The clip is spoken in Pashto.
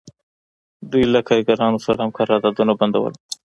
دوی له کارګرانو سره هم قراردادونه بندول